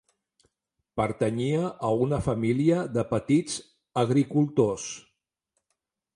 Pertanyia a una família de petits agricultors.